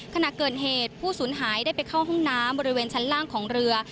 ขณะเกิดเหตุผู้สูญหายได้ไปเข้าห้องน้ำบริเวณชั้นล่างของเรือ